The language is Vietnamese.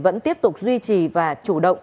vẫn tiếp tục duy trì và chủ động